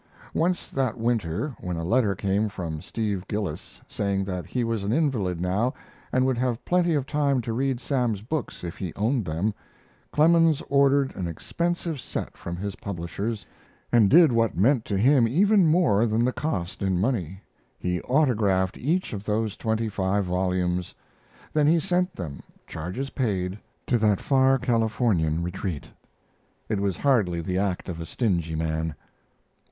Once that winter, when a letter came from Steve Gillis saying that he was an invalid now, and would have plenty of time to read Sam's books if he owned them, Clemens ordered an expensive set from his publishers, and did what meant to him even more than the cost in money he autographed each of those twenty five volumes. Then he sent them, charges paid, to that far Californian retreat. It was hardly the act of a stingy man.